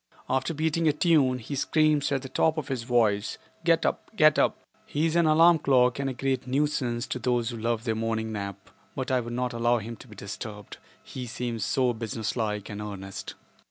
After beating a tune, he screams at the top of his voice, "Get up; get up." He is an alarm clock and a great nuisance to those who love their morning nap, but I would not allow him to be disturbed, he seems so business like and earnest.